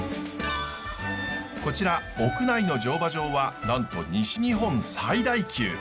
こちら屋内の乗馬場はなんと西日本最大級！